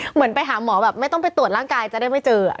เหมือนไปหาหมอแบบไม่ต้องไปตรวจร่างกายจะได้ไม่เจอ